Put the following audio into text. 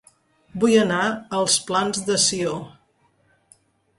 Vull anar a Els Plans de Sió